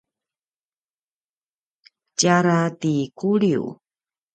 tjara ti Kuliu